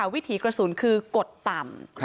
วิถีกระสุนคือกดต่ำ